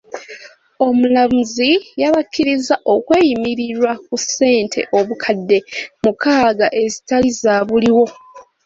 Omulamuzi yabakkiriza okweyimirirwa ku ssente obukadde mukaaga ezitaali za buliwo.